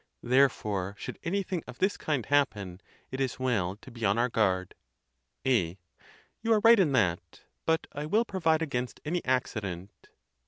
Therefore, should anything of this kind happen, it is well to be on our guard. A, You are right in that; but I will provide against any accident.